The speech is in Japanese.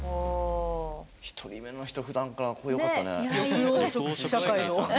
１人目の人ふだんから声よかったね。